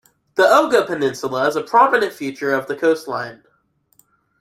The Oga Peninsula is a prominent feature of the coastline.